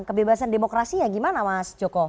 kebebasan demokrasi ya gimana mas joko